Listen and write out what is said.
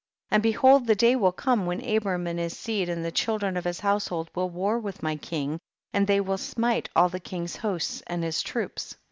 53. And behold the day will come when Abram and his seed and the children of his household will war with my king, and they will smite all the king's hosts and his troops.